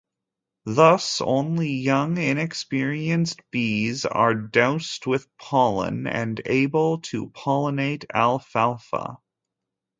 Thus only young, inexperienced bees are doused with pollen and able to pollinate alfalfa.